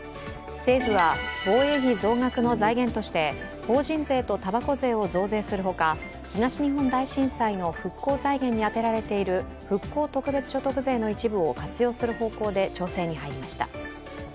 政府は防衛費増額の財源として法人税とたばこ税を増税するほか、東日本大震災の復興財源に充てられている復興特別所得税の一部を活用する方向で調整に入りました。